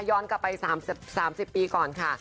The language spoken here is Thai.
ย้อนกลับไป๓๐ปีก่อนค่ะ